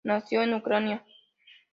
Nació en Ucrania.